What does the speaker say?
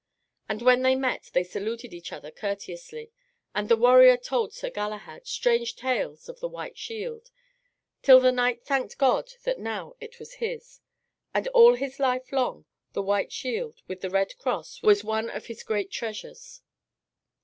And when they met they saluted each other courteously. And the warrior told Sir Galahad strange tales of the white shield, till the knight thanked God that now it was his. And all his life long the white shield with the red cross was one of his great treasures.